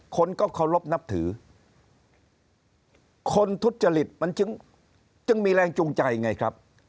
คนก็เคารพนับถือคนทุจจริตมันจึงมีแรงจูงใจไงครับ